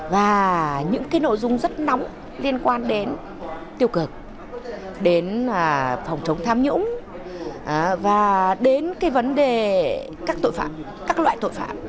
và những cái nội dung rất nóng liên quan đến tiêu cực đến phòng chống tham nhũng và đến cái vấn đề các tội phạm các loại tội phạm